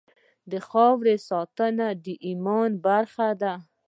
د خاورې ساتنه د ایمان یوه برخه ده.